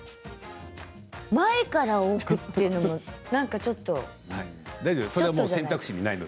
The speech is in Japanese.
前から奥というのもなんか、ちょっと。